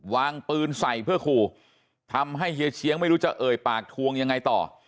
วางปืนใส่เพื่อขู่ทำให้เฮียเชียงไม่รู้จะเอ่ยปากทวงยังไงต่อ